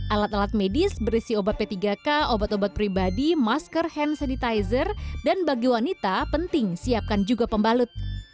alat alat medis berisi obat p tiga k obat obat pribadi masker hand sanitizer dan bagi wanita penting siapkan juga pembalut